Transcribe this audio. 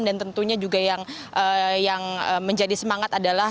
dan tentunya juga yang menjadi semangat adalah